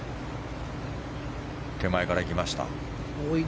手前から行きました。